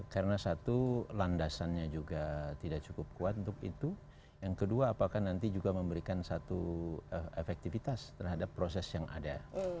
karena satu landasannya juga tidak cukup kuat untuk itu yang kedua apakah nanti juga memberikan satu efektivitas terhadap proses yang ada